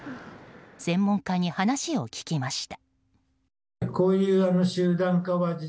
専門家に話を聞きました。